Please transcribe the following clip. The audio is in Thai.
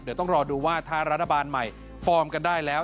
เดี๋ยวต้องรอดูว่าถ้ารัฐบาลใหม่ฟอร์มกันได้แล้ว